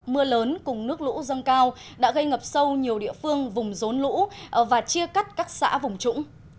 mưa lớn cùng nước lũ dâng cao đã gây ngập sâu nhiều địa phương vùng rốn lũ và chia cắt các xã vùng trũng